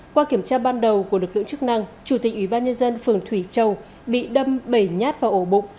qua kiểm tra ban đầu của lực lượng chức năng chủ tịch ủy ban nhân dân phường thủy châu bị đâm bẩy nhát vào ổ bụng